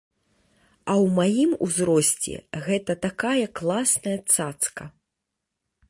А ў маім узросце гэта такая класная цацка.